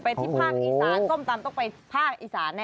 ไปที่ภาคอีสานส้มตำต้องไปภาคอีสานแน่นอน